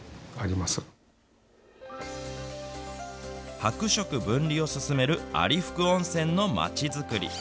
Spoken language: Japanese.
泊食分離を進める有福温泉の街づくり。